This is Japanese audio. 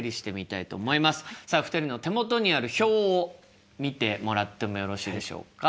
さあ２人の手元にある表を見てもらってもよろしいでしょうか。